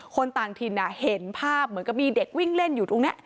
คนต่างถิ่นเห็นภาพเหมือนกับมีเด็กวิ่งเล่นอยู่ตรงนี้